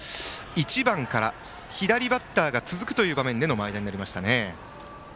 １番から左バッターが続く場面でも前田になりました。